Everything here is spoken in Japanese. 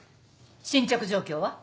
進捗状況は？